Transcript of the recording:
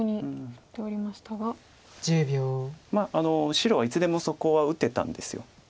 白はいつでもそこは打てたんです。